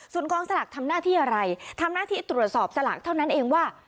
ส่วนกองสลากทำหน้าที่อะไรทำหน้าที่ตรวจสอบสลากเท่านั้นเองว่า